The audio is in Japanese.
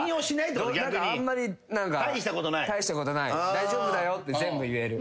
大丈夫だよって全部言える。